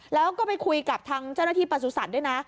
แล้วก็ไปคุยกับทางเจ้าหน้าที่ประสุทธิ์ด้วยนะ